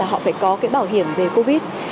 họ phải có bảo hiểm về covid